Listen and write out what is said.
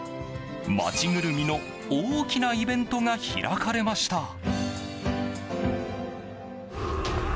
街ぐるみの大きなイベントが開かれました。